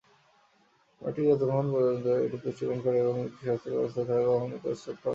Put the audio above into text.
Matrix যতক্ষণ পর্যন্ত এটি পুষ্টি গ্রহণ করে এবং একটি স্বাস্থ্যকর অবস্থায় থাকে ততক্ষণ কোষ উৎপাদন চালিয়ে যাবে।